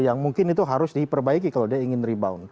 yang mungkin itu harus diperbaiki kalau dia ingin rebound